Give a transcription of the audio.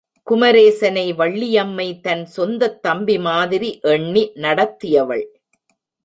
குமரேசனை வள்ளியம்மை தன் சொந்தத்தம்பி மாதிரி எண்ணி நடத்தியவள்.